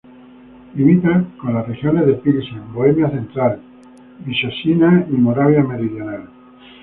Limita con las regiones de Pilsen, Bohemia Central, Vysočina y Moravia Meridional.